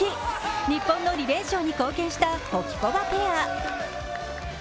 日本の２連勝に貢献したホキコバペア。